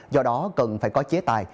do đó cần phải có chế tài